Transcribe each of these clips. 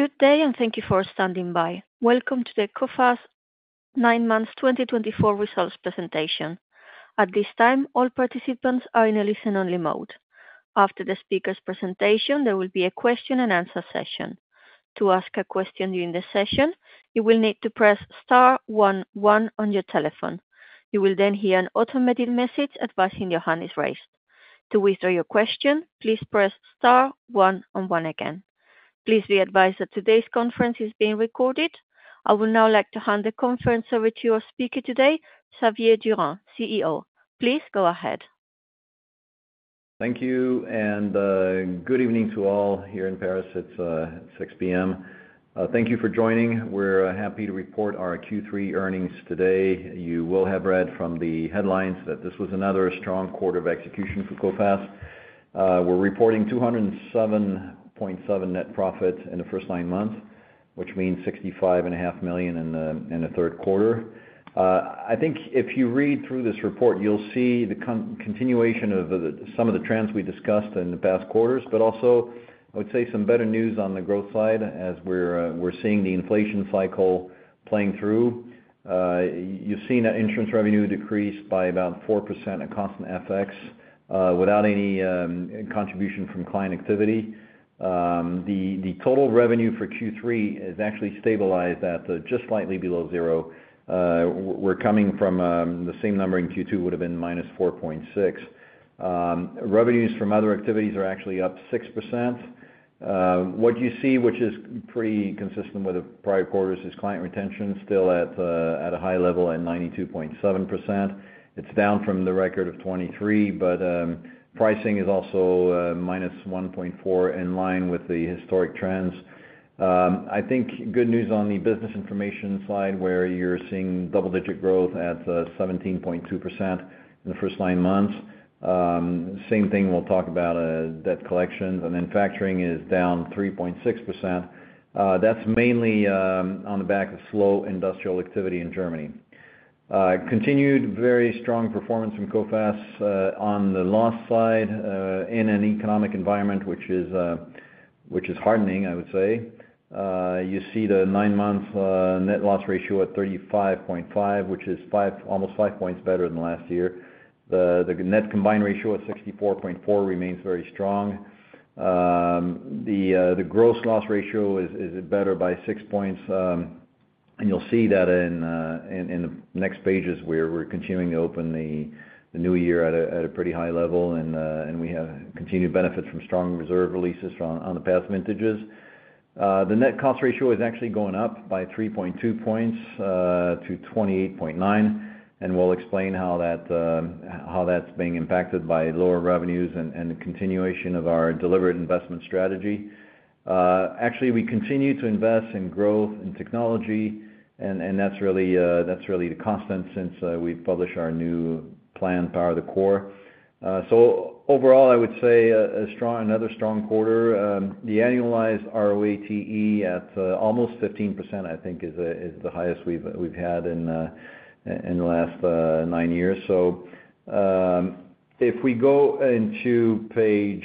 Good day, and thank you for standing by. Welcome to the Coface Xavier Durand 2024 results presentation. At this time, all participants are in a listen-only mode. After the speaker's presentation, there will be a question-and-answer session. To ask a question during the session, you will need to press star one one on your telephone. You will then hear an automated message advising your hand is raised. To withdraw your question, please press star one one again. Please be advised that today's conference is being recorded. I would now like to hand the conference over to your speaker today, Xavier Durand, CEO. Please go ahead. Thank you, and good evening to all here in Paris. It's 6:00 P.M. Thank you for joining. We're happy to report our Q3 earnings today. You will have read from the headlines that this was another strong quarter of execution for Coface. We're reporting 207.7 million net profit in the first nine months, which means 65.5 million in the third quarter. I think if you read through this report, you'll see the continuation of some of the trends we discussed in the past quarters, but also, I would say, some better news on the growth side as we're seeing the inflation cycle playing through. You've seen insurance revenue decrease by about 4% at constant effects without any contribution from client activity. The total revenue for Q3 has actually stabilized at just slightly below zero. We're coming from the same number in Q2, which would have been minus 4.6. Revenues from other activities are actually up 6%. What you see, which is pretty consistent with the prior quarters, is client retention still at a high level at 92.7%. It's down from the record of 23, but pricing is also minus 1.4%, in line with the historic trends. I think good news on the business information side, where you're seeing double-digit growth at 17.2% in the first nine months. Same thing we'll talk about, debt collection and then factoring is down 3.6%. That's mainly on the back of slow industrial activity in Germany. Continued very strong performance from Coface on the loss side in an economic environment which is hardening, I would say. You see the nine-month net loss ratio at 35.5%, which is almost five points better than last year. The net combined ratio at 64.4% remains very strong. The gross loss ratio is better by six points. You'll see that in the next pages where we're continuing to open the new year at a pretty high level, and we have continued benefit from strong reserve releases on the past vintages. The net cost ratio is actually going up by 3.2 points to 28.9%, and we'll explain how that's being impacted by lower revenues and the continuation of our deliberate investment strategy. Actually, we continue to invest in growth and technology, and that's really the constant since we've published our new plan, Power to the Core. So overall, I would say another strong quarter. The annualized ROATE at almost 15%, I think, is the highest we've had in the last nine years. So if we go into page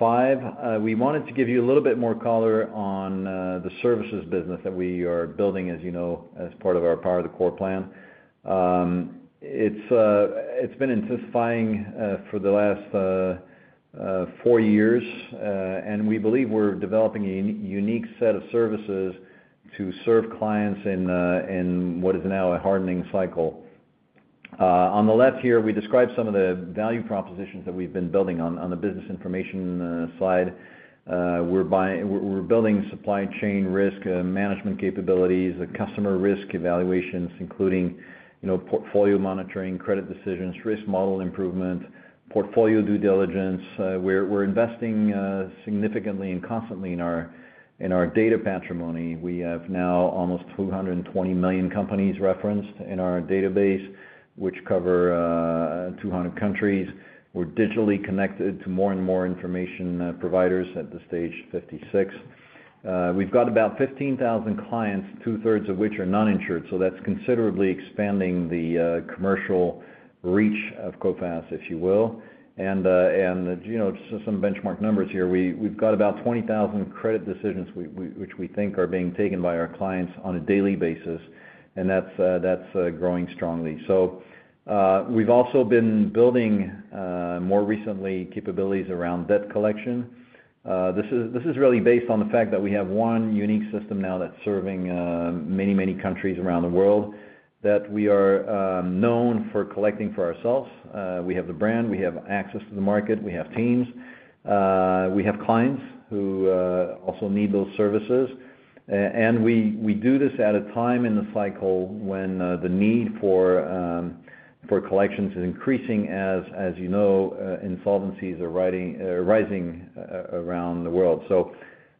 five, we wanted to give you a little bit more color on the services business that we are building, as you know, as part of our Power to the Core plan. It's been intensifying for the last four years, and we believe we're developing a unique set of services to serve clients in what is now a hardening cycle. On the left here, we describe some of the value propositions that we've been building on the business information side. We're building supply chain risk management capabilities, customer risk evaluations, including portfolio monitoring, credit decisions, risk model improvement, portfolio due diligence. We're investing significantly and constantly in our data patrimony. We have now almost 220 million companies referenced in our database, which cover 200 countries. We're digitally connected to more and more information providers at this stage, 56. We've got about 15,000 clients, two-thirds of which are non-insured, so that's considerably expanding the commercial reach of Coface, if you will, and just some benchmark numbers here. We've got about 20,000 credit decisions, which we think are being taken by our clients on a daily basis, and that's growing strongly, so we've also been building more recently capabilities around debt collection. This is really based on the fact that we have one unique system now that's serving many, many countries around the world, that we are known for collecting for ourselves. We have the brand, we have access to the market, we have teams, we have clients who also need those services, and we do this at a time in the cycle when the need for collections is increasing, as you know, insolvencies are rising around the world.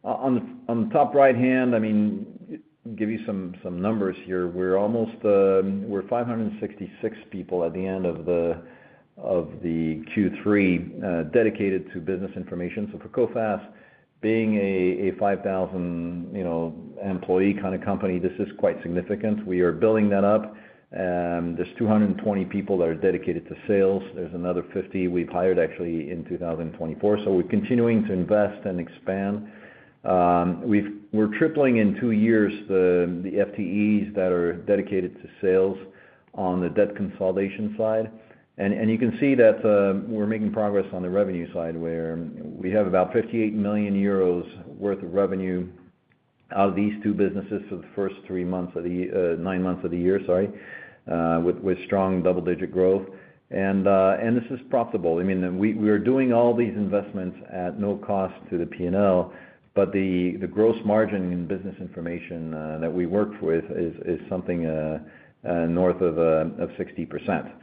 On the top right hand, I mean, give you some numbers here. We're 566 people at the end of the Q3 dedicated to business information. For Coface, being a 5,000-employee kind of company, this is quite significant. We are building that up. There's 220 people that are dedicated to sales. There's another 50 we've hired actually in 2024. So we're continuing to invest and expand. We're tripling in two years the FTEs that are dedicated to sales on the debt collection side. And you can see that we're making progress on the revenue side, where we have about 58 million euros worth of revenue out of these two businesses for the first three months of the nine months of the year, sorry, with strong double-digit growth, and this is profitable. I mean, we are doing all these investments at no cost to the P&L, but the gross margin in business information that we work with is something north of 60%.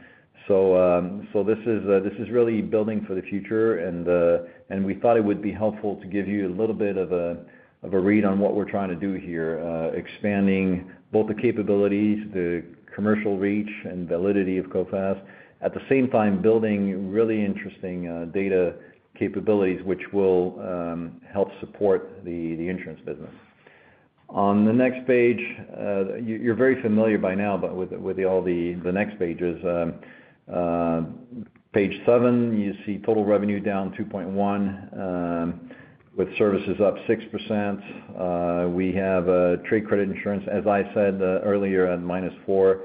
So this is really building for the future, and we thought it would be helpful to give you a little bit of a read on what we're trying to do here, expanding both the capabilities, the commercial reach, and validity of Coface, at the same time building really interesting data capabilities, which will help support the insurance business. On the next page, you're very familiar by now with all the next pages. Page seven, you see total revenue down 2.1%, with services up 6%. We have trade credit insurance, as I said earlier, at minus 4%.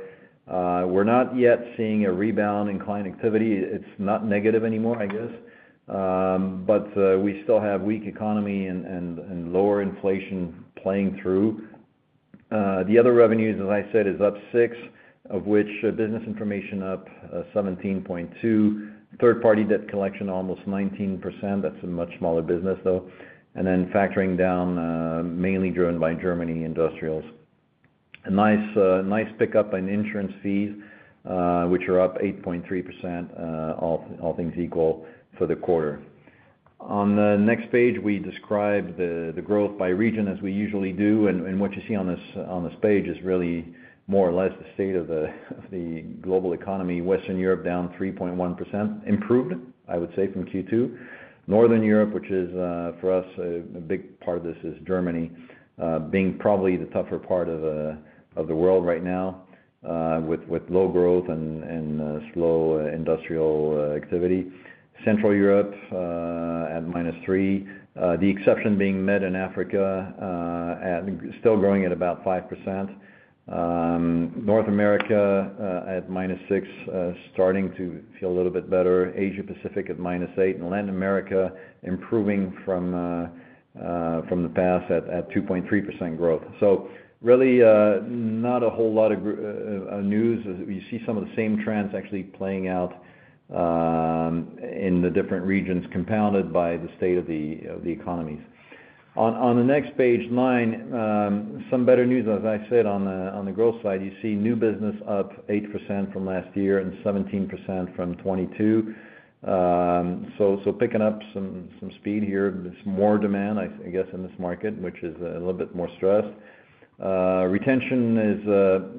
We're not yet seeing a rebound in client activity. It's not negative anymore, I guess, but we still have weak economy and lower inflation playing through. The other revenues, as I said, is up 6%, of which business information up 17.2%, third-party debt collection almost 19%. That's a much smaller business, though, and then factoring down, mainly driven by German industrials. Nice pickup in insurance fees, which are up 8.3%, all things equal, for the quarter. On the next page, we describe the growth by region, as we usually do, and what you see on this page is really more or less the state of the global economy. Western Europe down 3.1%, improved, I would say, from Q2. Northern Europe, which is for us a big part of this, is Germany, being probably the tougher part of the world right now, with low growth and slow industrial activity. Central Europe at -3%, the exception being Med and Africa, still growing at about 5%. North America at -6%, starting to feel a little bit better. Asia-Pacific at -8%. And Latin America, improving from the past at 2.3% growth. So really not a whole lot of news. You see some of the same trends actually playing out in the different regions, compounded by the state of the economies. On the next page, nine, some better news, as I said, on the growth side. You see new business up 8% from last year and 17% from 2022. So picking up some speed here, there's more demand, I guess, in this market, which is a little bit more stressed. Retention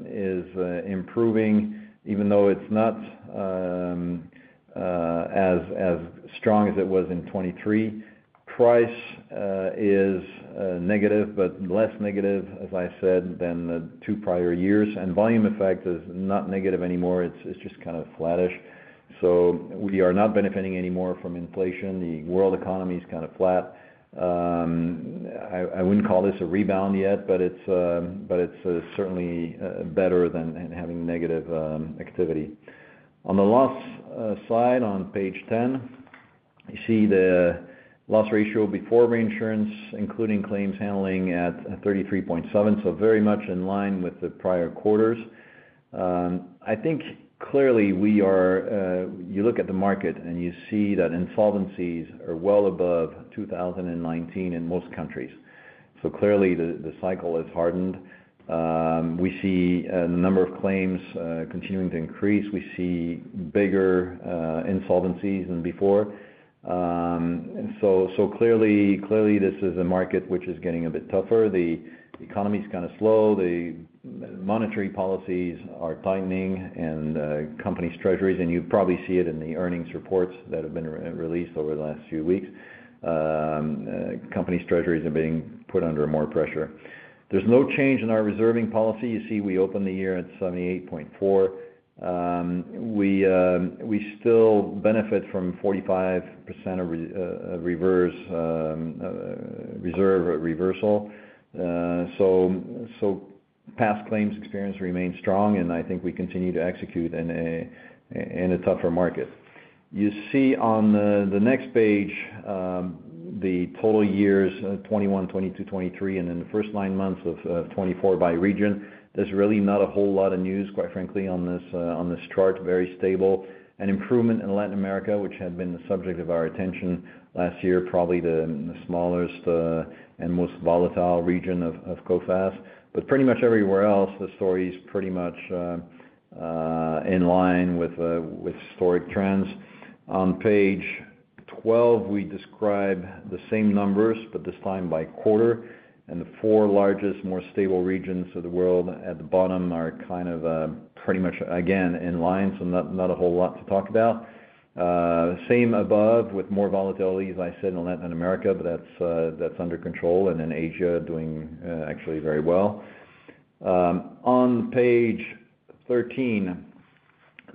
is improving, even though it's not as strong as it was in 2023. Price is negative, but less negative, as I said, than the two prior years. Volume effect is not negative anymore. It's just kind of flattish. So we are not benefiting anymore from inflation. The world economy is kind of flat. I wouldn't call this a rebound yet, but it's certainly better than having negative activity. On the loss side, on page 10, you see the loss ratio before reinsurance, including claims handling, at 33.7%, so very much in line with the prior quarters. I think clearly, when you look at the market and you see that insolvencies are well above 2019 in most countries. So clearly the cycle has hardened. We see the number of claims continuing to increase. We see bigger insolvencies than before. So clearly this is a market which is getting a bit tougher. The economy is kind of slow. The monetary policies are tightening and companies' treasuries, and you probably see it in the earnings reports that have been released over the last few weeks. Companies' treasuries are being put under more pressure. There's no change in our reserving policy. You see we opened the year at 78.4. We still benefit from 45% reserve reversal. So past claims experience remains strong, and I think we continue to execute in a tougher market. You see on the next page the total years, 2021, 2022, 2023, and then the first nine months of 2024 by region. There's really not a whole lot of news, quite frankly, on this chart. Very stable, and improvement in Latin America, which had been the subject of our attention last year, probably the smallest and most volatile region of Coface. But pretty much everywhere else, the story is pretty much in line with historic trends. On page 12, we describe the same numbers, but this time by quarter, and the four largest, more stable regions of the world at the bottom are kind of pretty much, again, in line, so not a whole lot to talk about. Same above with more volatility, as I said, in Latin America, but that's under control, and in Asia doing actually very well. On page 13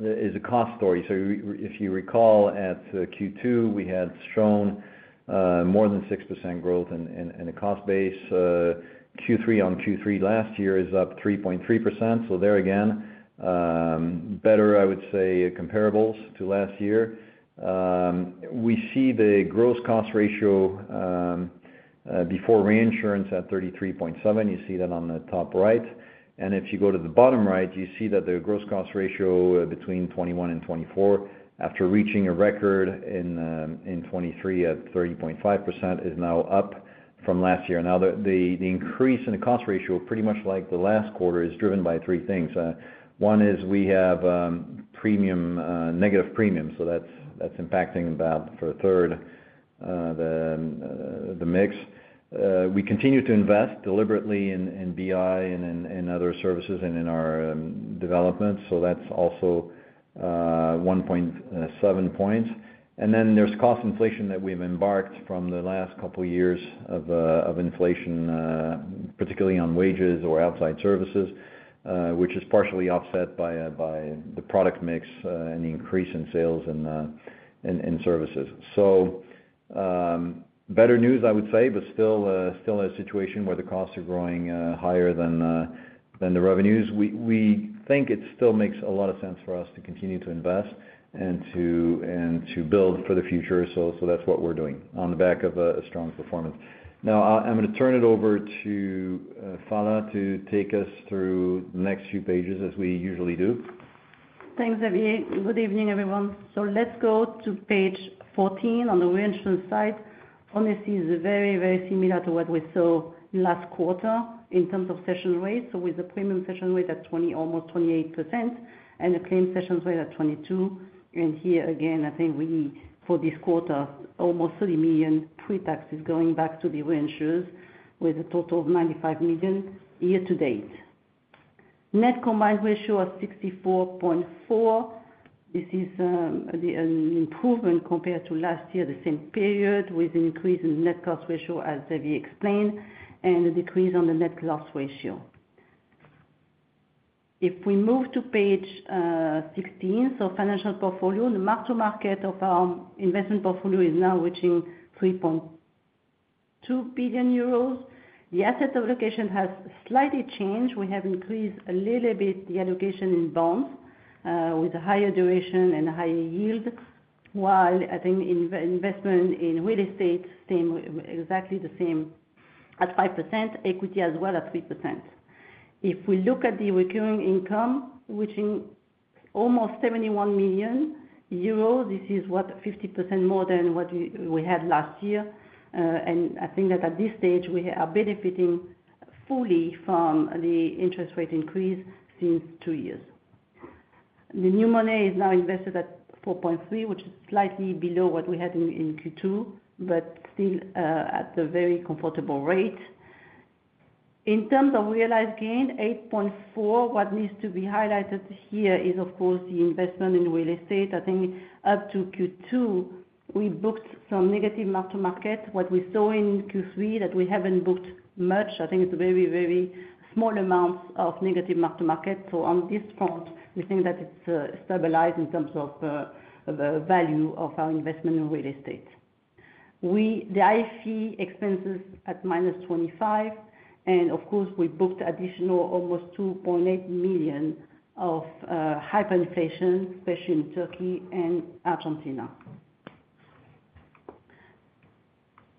is a cost story, so if you recall, at Q2, we had shown more than 6% growth in the cost base. Q3 on Q3 last year is up 3.3%, so there again, better, I would say, comparables to last year. We see the gross cost ratio before reinsurance at 33.7%. You see that on the top right. And if you go to the bottom right, you see that the gross cost ratio between 2021 and 2024, after reaching a record in 2023 at 30.5%, is now up from last year. Now, the increase in the cost ratio, pretty much like the last quarter, is driven by three things. One is we have negative premiums, so that's impacting about a third of the mix. We continue to invest deliberately in BI and in other services and in our development, so that's also 1.7 points. And then there's cost inflation that stems from the last couple of years of inflation, particularly on wages and outside services, which is partially offset by the product mix and the increase in sales and services. So better news, I would say, but still a situation where the costs are growing higher than the revenues. We think it still makes a lot of sense for us to continue to invest and to build for the future, so that's what we're doing on the back of a strong performance. Now, I'm going to turn it over to Phalla to take us through the next few pages, as we usually do. Thanks, Xavier. Good evening, everyone. So let's go to page 14 on the reinsurance side. Honestly, it's very, very similar to what we saw last quarter in terms of cession rate. So with the premium cession rate at almost 28% and the claim cession rate at 22%. And here, again, I think for this quarter, almost 30 million pre-tax is going back to the reinsurers with a total of 95 million year to date. Net combined ratio of 64.4%. This is an improvement compared to last year, the same period, with an increase in net cost ratio, as Xavier explained, and a decrease on the net loss ratio. If we move to page 16, so financial portfolio, the mark-to-market of our investment portfolio is now reaching 3.2 billion euros. The asset allocation has slightly changed. We have increased a little bit the allocation in bonds with a higher duration and higher yield, while I think investment in real estate is exactly the same at 5%, equity as well at 3%. If we look at the recurring income, which is almost 71 million euros, this is what, 50% more than what we had last year. And I think that at this stage, we are benefiting fully from the interest rate increase since two years. The new money is now invested at 4.3, which is slightly below what we had in Q2, but still at a very comfortable rate. In terms of realized gain, 8.4, what needs to be highlighted here is, of course, the investment in real estate. I think up to Q2, we booked some negative mark-to-market. What we saw in Q3, that we haven't booked much. I think it's very, very small amounts of negative mark-to-market, so on this front, we think that it's stabilized in terms of the value of our investment in real estate. The IFE expenses at minus 25, and of course, we booked additional almost 2.8 million of hyperinflation, especially in Turkey and Argentina.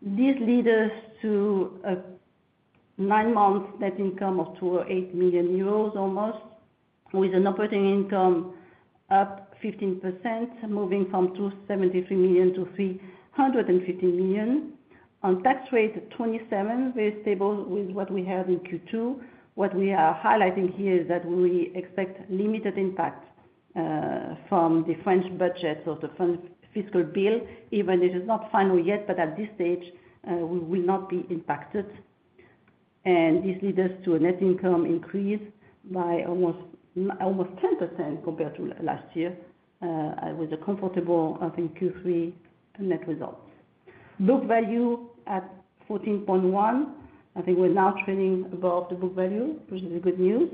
This leads us to a nine-month net income of almost EUR 208 million, with an operating income up 15%, moving from 273 million to 315 million. On tax rate, 27%, very stable with what we had in Q2. What we are highlighting here is that we expect limited impact from the French budgets of the fiscal bill, even if it's not final yet, but at this stage, we will not be impacted, and this leads us to a net income increase by almost 10% compared to last year, with a comfortable, I think, Q3 net result. Book value at 14.1. I think we're now trading above the book value, which is good news.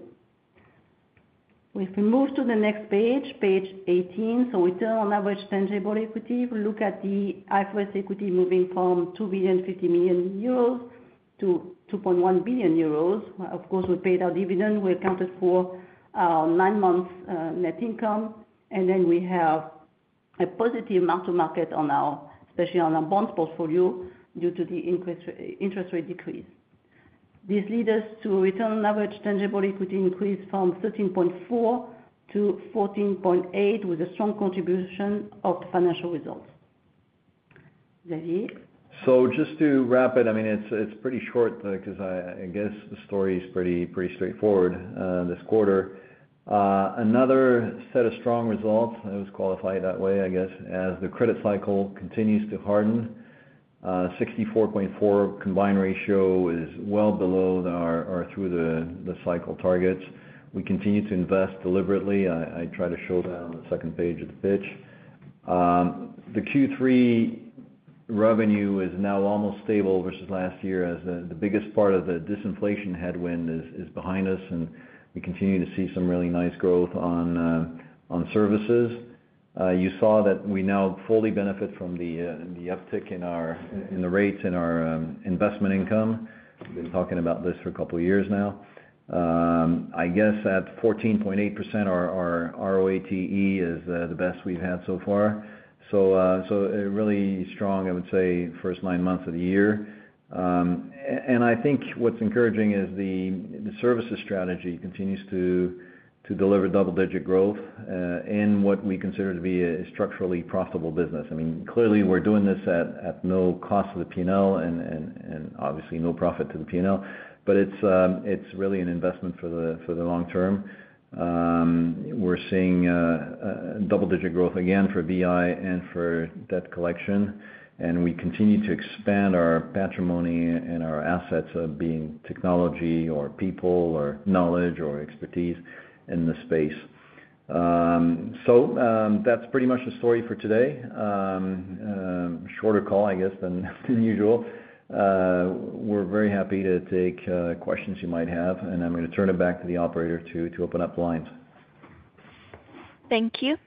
If we move to the next page, page 18, so return on average tangible equity, we look at the IFRS equity moving from 2.05 billion to 2.1 billion euros. Of course, we paid our dividend. We accounted for our nine-month net income. And then we have a positive mark-to-market, especially on our bond portfolio, due to the interest rate decrease. This leads us to a return on average tangible equity increase from 13.4 to 14.8, with a strong contribution of financial results. Xavier? So just to wrap it, I mean, it's pretty short because I guess the story is pretty straightforward this quarter. Another set of strong results, I always qualify it that way, I guess, as the credit cycle continues to harden. 64.4 combined ratio is well below or through the cycle targets. We continue to invest deliberately. I try to show that on the second page of the pitch. The Q3 revenue is now almost stable versus last year, as the biggest part of the disinflation headwind is behind us, and we continue to see some really nice growth on services. You saw that we now fully benefit from the uptick in the rates in our investment income. We've been talking about this for a couple of years now. I guess at 14.8%, our ROATE is the best we've had so far. So really strong, I would say, first nine months of the year. And I think what's encouraging is the services strategy continues to deliver double-digit growth in what we consider to be a structurally profitable business. I mean, clearly, we're doing this at no cost to the P&L and obviously no profit to the P&L, but it's really an investment for the long term. We're seeing double-digit growth again for BI and for debt collection. And we continue to expand our patrimony and our assets of being technology or people or knowledge or expertise in the space. So that's pretty much the story for today. Shorter call, I guess, than usual. We're very happy to take questions you might have, and I'm going to turn it back to the operator to open up the lines. Thank you.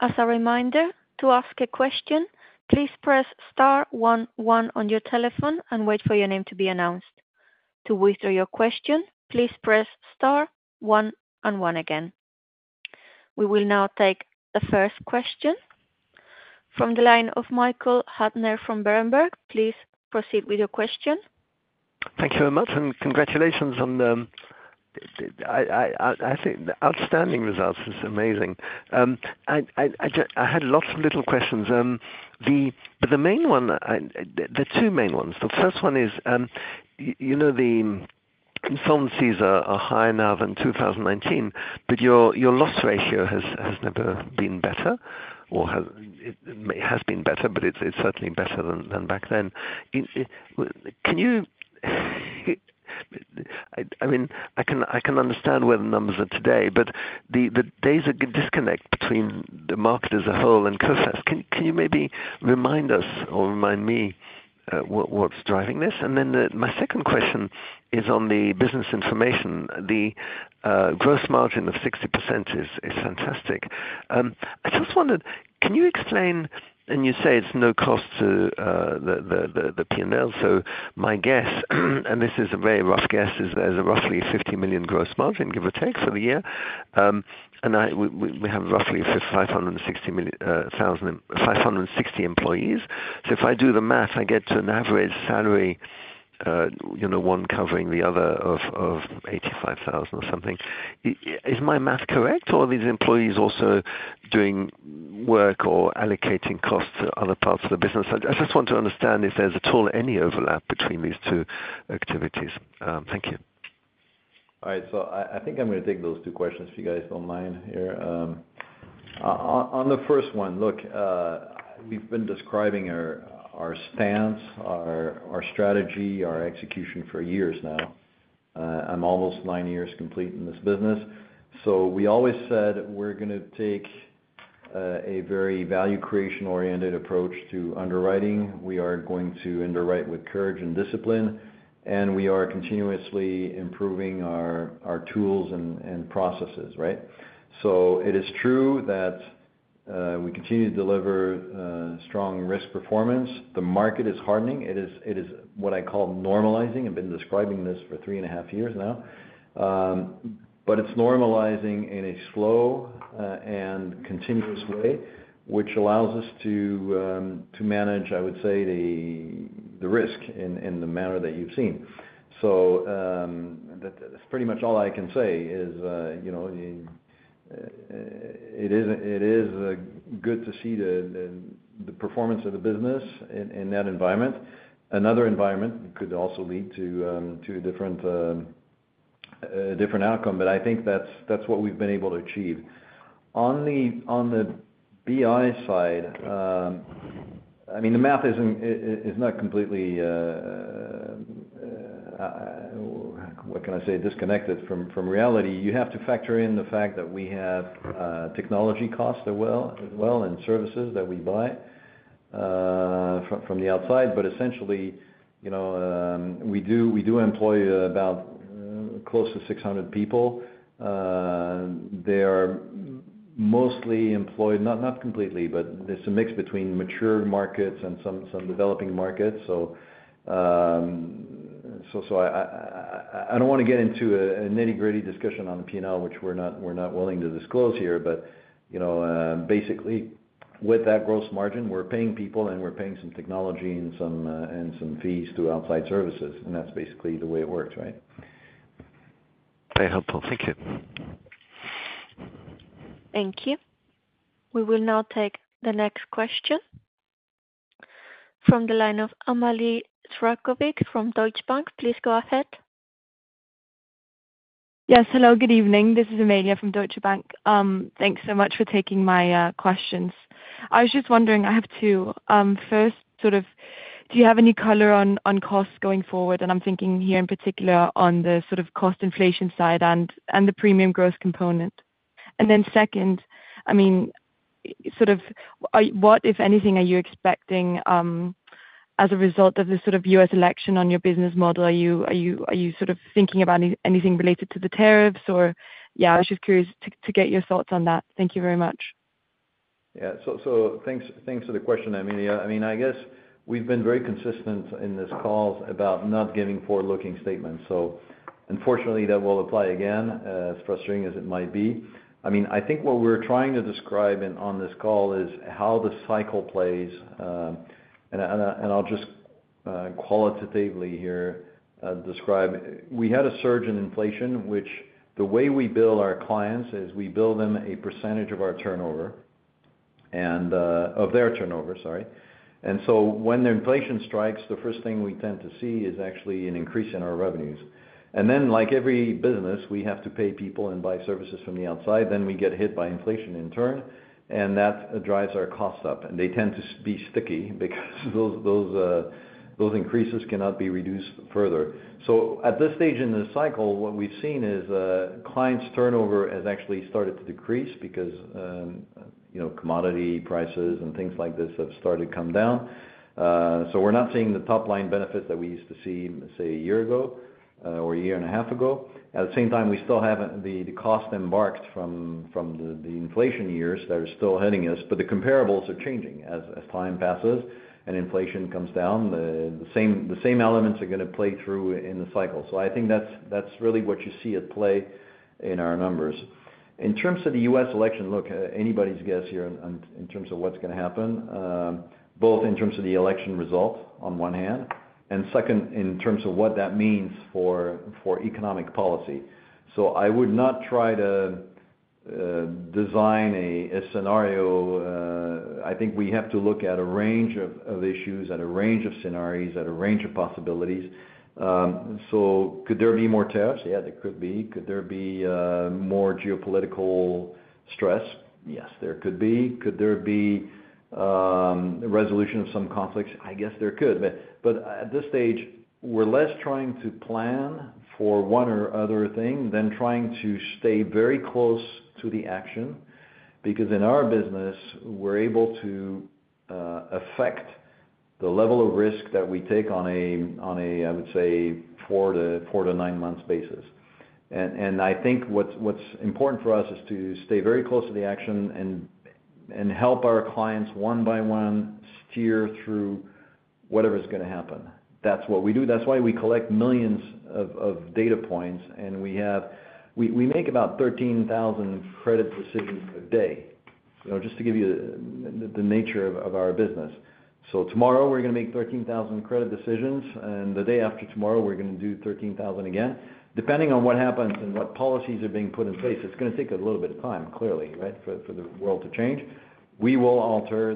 As a reminder, to ask a question, please press star one one on your telephone and wait for your name to be announced. To withdraw your question, please press star one and one again. We will now take the first question. From the line of Michael Huttner from Berenberg, please proceed with your question. Thank you very much, and congratulations on the outstanding results. It's amazing. I had lots of little questions. But the main one, the two main ones, the first one is the insolvencies are higher now than 2019, but your loss ratio has never been better or has been better, but it's certainly better than back then. I mean, I can understand where the numbers are today, but there's a good disconnect between the market as a whole and Coface. Can you maybe remind us or remind me what's driving this? And then my second question is on the business information. The gross margin of 60% is fantastic. I just wondered, can you explain, and you say it's no cost to the P&L, so my guess, and this is a very rough guess, is there's a roughly 50 million gross margin, give or take, for the year. We have roughly 560 employees. If I do the math, I get to an average salary, one covering the other of 85,000 or something. Is my math correct, or are these employees also doing work or allocating costs to other parts of the business? I just want to understand if there's at all any overlap between these two activities. Thank you. All right. So I think I'm going to take those two questions for you guys if you don't mind here. On the first one, look, we've been describing our stance, our strategy, our execution for years now. I'm almost nine years complete in this business. So we always said we're going to take a very value-creation-oriented approach to underwriting. We are going to underwrite with courage and discipline, and we are continuously improving our tools and processes, right? So it is true that we continue to deliver strong risk performance. The market is hardening. It is what I call normalizing. I've been describing this for three and a half years now. But it's normalizing in a slow and continuous way, which allows us to manage, I would say, the risk in the manner that you've seen. So that's pretty much all I can say is it is good to see the performance of the business in that environment. Another environment could also lead to a different outcome, but I think that's what we've been able to achieve. On the BI side, I mean, the math is not completely, what can I say, disconnected from reality. You have to factor in the fact that we have technology costs as well and services that we buy from the outside. But essentially, we do employ about close to 600 people. They are mostly employed, not completely, but there's a mix between mature markets and some developing markets. So I don't want to get into a nitty-gritty discussion on the P&L, which we're not willing to disclose here, but basically, with that gross margin, we're paying people, and we're paying some technology and some fees to outside services. And that's basically the way it works, right? Very helpful. Thank you. Thank you. We will now take the next question from the line of Amalie Zharkovic from Deutsche Bank. Please go ahead. Yes. Hello, good evening. This is Amalie from Deutsche Bank. Thanks so much for taking my questions. I was just wondering, I have two. First, sort of do you have any color on costs going forward? And I'm thinking here in particular on the sort of cost inflation side and the premium growth component. And then second, I mean, sort of what, if anything, are you expecting as a result of the sort of U.S. election on your business model? Are you sort of thinking about anything related to the tariffs? Or yeah, I was just curious to get your thoughts on that. Thank you very much. Yeah. So thanks for the question, Amalie. I mean, I guess we've been very consistent in this call about not giving forward-looking statements. So unfortunately, that will apply again, as frustrating as it might be. I mean, I think what we're trying to describe on this call is how the cycle plays. And I'll just qualitatively here describe. We had a surge in inflation, which the way we bill our clients is we bill them a percentage of our turnover of their turnover, sorry. And so when the inflation strikes, the first thing we tend to see is actually an increase in our revenues. And then, like every business, we have to pay people and buy services from the outside. Then we get hit by inflation in turn, and that drives our costs up. And they tend to be sticky because those increases cannot be reduced further. At this stage in the cycle, what we've seen is clients' turnover has actually started to decrease because commodity prices and things like this have started to come down. We're not seeing the top-line benefits that we used to see, say, a year ago or a year and a half ago. At the same time, we still have the costs incurred from the inflation years that are still hitting us, but the comparables are changing as time passes and inflation comes down. The same elements are going to play through in the cycle. I think that's really what you see at play in our numbers. In terms of the U.S. election, look, anybody's guess here in terms of what's going to happen, both in terms of the election result on one hand, and second, in terms of what that means for economic policy. So I would not try to design a scenario. I think we have to look at a range of issues, at a range of scenarios, at a range of possibilities. So could there be more tariffs? Yeah, there could be. Could there be more geopolitical stress? Yes, there could be. Could there be resolution of some conflicts? I guess there could. But at this stage, we're less trying to plan for one or other thing than trying to stay very close to the action because in our business, we're able to affect the level of risk that we take on a, I would say, four- to nine-month basis. And I think what's important for us is to stay very close to the action and help our clients one by one steer through whatever's going to happen. That's what we do. That's why we collect millions of data points, and we make about 13,000 credit decisions per day, just to give you the nature of our business. So tomorrow, we're going to make 13,000 credit decisions, and the day after tomorrow, we're going to do 13,000 again. Depending on what happens and what policies are being put in place, it's going to take a little bit of time, clearly, right, for the world to change. We will alter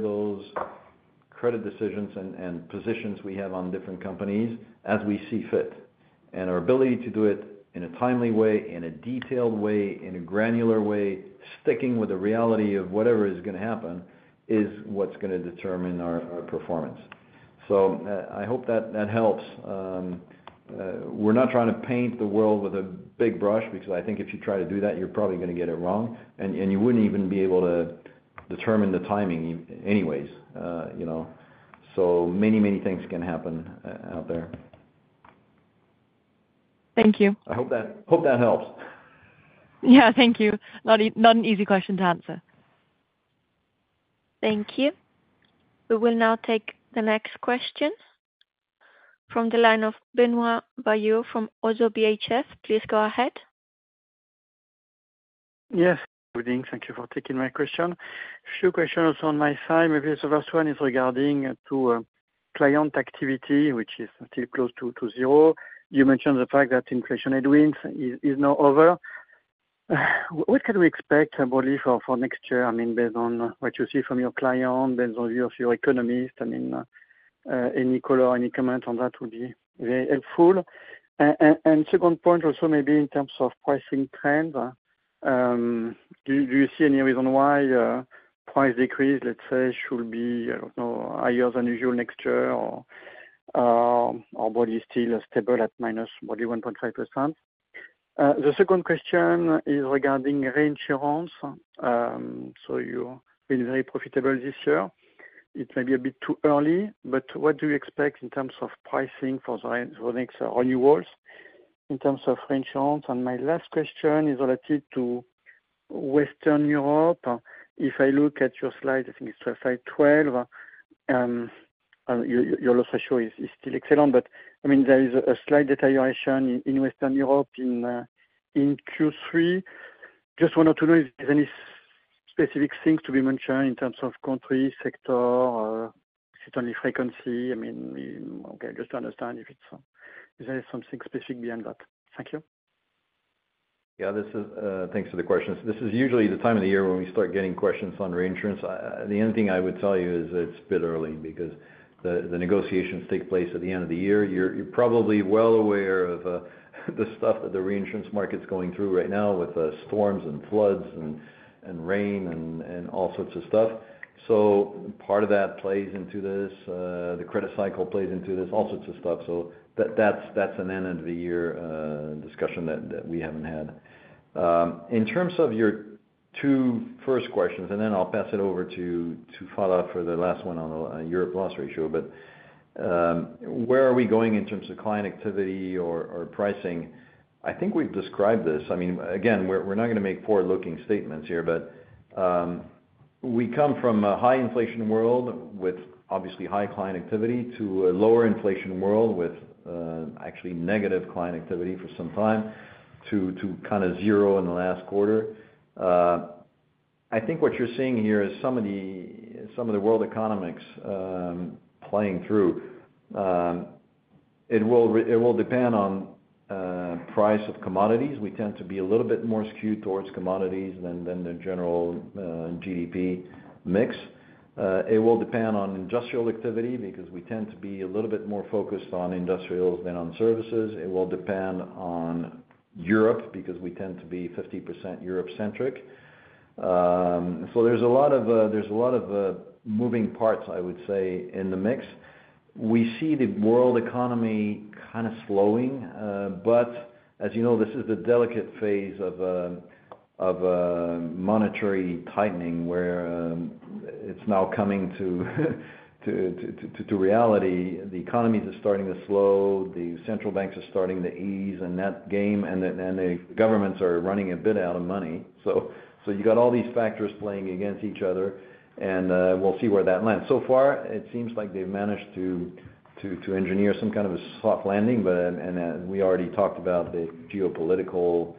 those credit decisions and positions we have on different companies as we see fit. And our ability to do it in a timely way, in a detailed way, in a granular way, sticking with the reality of whatever is going to happen is what's going to determine our performance. So I hope that helps. We're not trying to paint the world with a big brush because I think if you try to do that, you're probably going to get it wrong, and you wouldn't even be able to determine the timing anyways. So many, many things can happen out there. Thank you. I hope that helps. Yeah, thank you. Not an easy question to answer. Thank you. We will now take the next question from the line of Benoit Valleaux from Oddo BHF. Please go ahead. Yes, good evening. Thank you for taking my question. A few questions on my side. Maybe the first one is regarding to client activity, which is still close to zero. You mentioned the fact that inflation headwinds is now over. What can we expect, Amalie, for next year? I mean, based on what you see from your client, based on view of your economist, I mean, any color, any comment on that would be very helpful. And second point also, maybe in terms of pricing trends, do you see any reason why price decrease, let's say, should be, I don't know, higher than usual next year or, well, you're still stable at minus, well, 1.5%? The second question is regarding reinsurance. So you've been very profitable this year. It may be a bit too early, but what do you expect in terms of pricing for the next renewals in terms of reinsurance, and my last question is related to Western Europe. If I look at your slide, I think it's slide 12, your loss ratio is still excellent, but I mean, there is a slight deterioration in Western Europe in Q3. Just wanted to know if there's any specific things to be mentioned in terms of country, sector, certainly frequency. I mean, okay, just to understand if there's something specific beyond that. Thank you. Yeah, thanks for the question. This is usually the time of the year when we start getting questions on reinsurance. The only thing I would tell you is it's a bit early because the negotiations take place at the end of the year. You're probably well aware of the stuff that the reinsurance market's going through right now with storms and floods and rain and all sorts of stuff. So part of that plays into this. The credit cycle plays into this, all sorts of stuff. So that's an end-of-the-year discussion that we haven't had. In terms of your two first questions, and then I'll pass it over to Phalla for the last one on the Europe loss ratio, but where are we going in terms of client activity or pricing? I think we've described this. I mean, again, we're not going to make forward-looking statements here, but we come from a high-inflation world with obviously high client activity to a lower-inflation world with actually negative client activity for some time to kind of zero in the last quarter. I think what you're seeing here is some of the world economics playing through. It will depend on price of commodities. We tend to be a little bit more skewed towards commodities than the general GDP mix. It will depend on industrial activity because we tend to be a little bit more focused on industrials than on services. It will depend on Europe because we tend to be 50% Europe-centric. So there's a lot of moving parts, I would say, in the mix. We see the world economy kind of slowing, but as you know, this is the delicate phase of monetary tightening where it's now coming to reality. The economies are starting to slow. The central banks are starting to ease the endgame, and the governments are running a bit out of money. So you've got all these factors playing against each other, and we'll see where that lands. So far, it seems like they've managed to engineer some kind of a soft landing, and we already talked about the geopolitical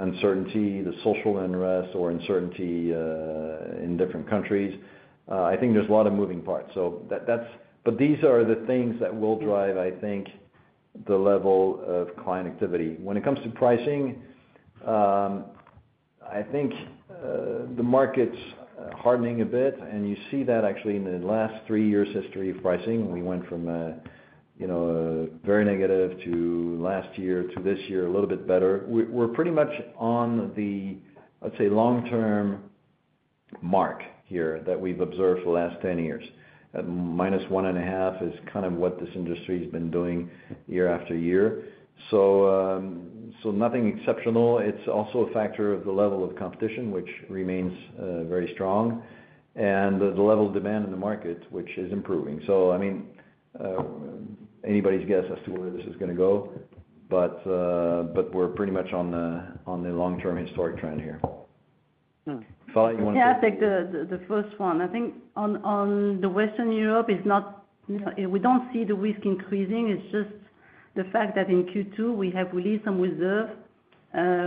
uncertainty, the social unrest, or uncertainty in different countries. I think there's a lot of moving parts. But these are the things that will drive, I think, the level of client activity. When it comes to pricing, I think the market's hardening a bit, and you see that actually in the last three years' history of pricing. We went from very negative last year to this year, a little bit better. We're pretty much on the, I'd say, long-term mark here that we've observed for the last 10 years. Minus one and a half is kind of what this industry has been doing year after year. So nothing exceptional. It's also a factor of the level of competition, which remains very strong, and the level of demand in the market, which is improving. So I mean, anybody's guess as to where this is going to go, but we're pretty much on the long-term historic trend here. Phalla, you want to? Yeah, I'll take the first one. I think on the Western Europe, we don't see the risk increasing. It's just the fact that in Q2, we have released some reserves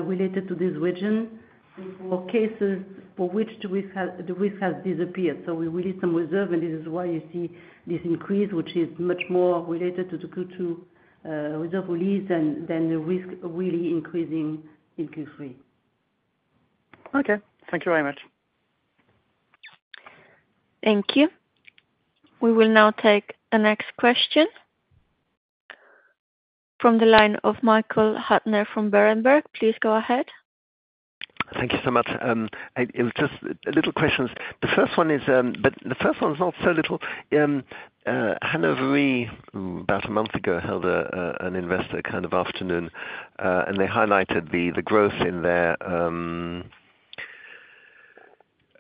related to this region for cases for which the risk has disappeared. So we released some reserves, and this is why you see this increase, which is much more related to the Q2 reserve release than the risk really increasing in Q3. Okay. Thank you very much. Thank you. We will now take the next question from the line of Michael Huttner from Berenberg. Please go ahead. Thank you so much. Just a little question. The first one is, but the first one's not so little. Hannover Re, about a month ago, held an investor kind of afternoon, and they highlighted the growth in their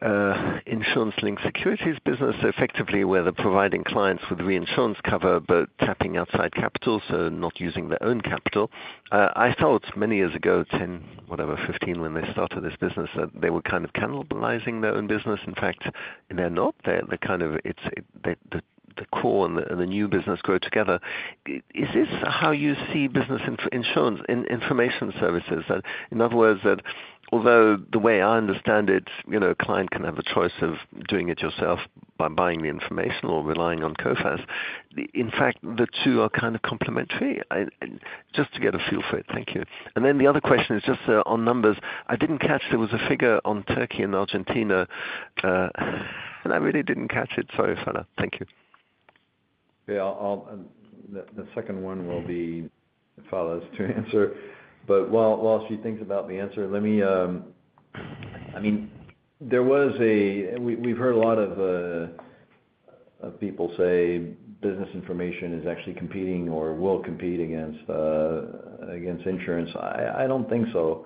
insurance-linked securities business, effectively where they're providing clients with reinsurance cover but tapping outside capital, so not using their own capital. I thought many years ago, 10, whatever, 15, when they started this business, that they were kind of cannibalizing their own business. In fact, they're not. They're kind of the core and the new business grow together. Is this how you see business information services? In other words, that although the way I understand it, a client can have a choice of doing it yourself by buying the information or relying on Coface, in fact, the two are kind of complementary? Just to get a feel for it, thank you. And then the other question is just on numbers. I didn't catch there was a figure on Turkey and Argentina, and I really didn't catch it. Sorry, Phalla. Thank you. Yeah, the second one will be Phalla's to answer. But while she thinks about the answer, let me—I mean, we've heard a lot of people say business information is actually competing or will compete against insurance. I don't think so.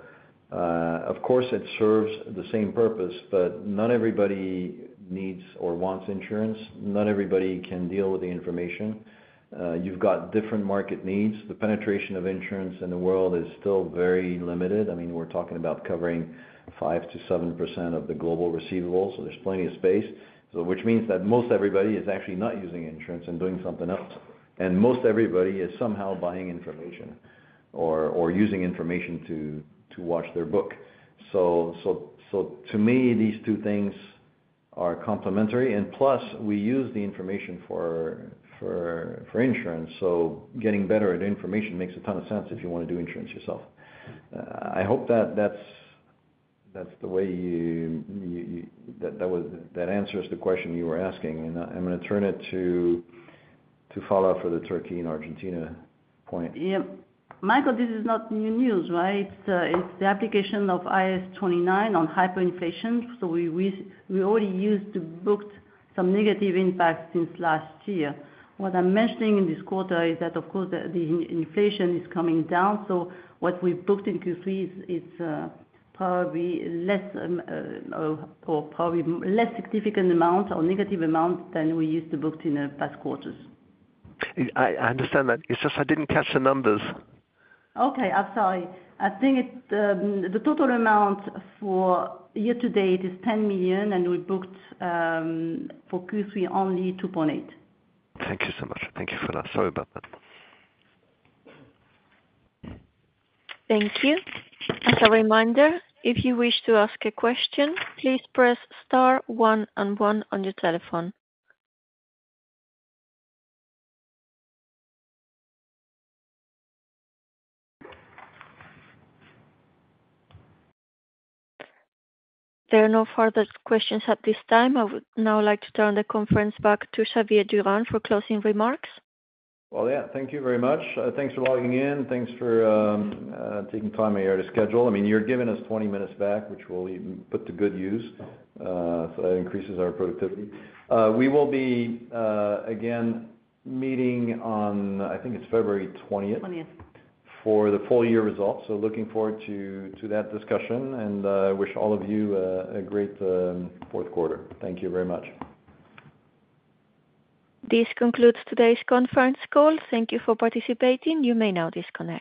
Of course, it serves the same purpose, but not everybody needs or wants insurance. Not everybody can deal with the information. You've got different market needs. The penetration of insurance in the world is still very limited. I mean, we're talking about covering 5%-7% of the global receivables, so there's plenty of space, which means that most everybody is actually not using insurance and doing something else, and most everybody is somehow buying information or using information to watch their book. So to me, these two things are complementary, and plus, we use the information for insurance. Getting better at information makes a ton of sense if you want to do insurance yourself. I hope that that's the way you - that answers the question you were asking. I'm going to turn it to Phalla for the Turkey and Argentina point. Yeah. Michael, this is not new news, right? It's the application of IAS 29 on hyperinflation. So we already used to book some negative impact since last year. What I'm mentioning in this quarter is that, of course, the inflation is coming down. So what we booked in Q3 is probably less or probably less significant amount or negative amount than we used to book in the past quarters. I understand that. It's just I didn't catch the numbers. Okay. I'm sorry. I think the total amount for year to date is 10 million, and we booked for Q3 only 2.8 million. Thank you so much. Thank you, Phalla. Sorry about that. Thank you. As a reminder, if you wish to ask a question, please press star one and one on your telephone. There are no further questions at this time. I would now like to turn the conference back to Xavier Durand for closing remarks. Yeah, thank you very much. Thanks for logging in. Thanks for taking time out of your schedule. I mean, you're giving us 20 minutes back, which we'll put to good use, so that increases our productivity. We will be, again, meeting on, I think it's February 20th. 20th. For the full-year results. So looking forward to that discussion, and I wish all of you a great fourth quarter. Thank you very much. This concludes today's conference call. Thank you for participating. You may now disconnect.